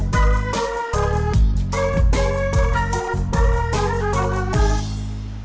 harusnya saya yang nanya gitu